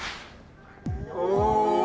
お！